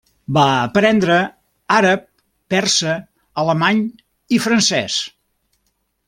Va aprendre àrab, persa, alemany i francès.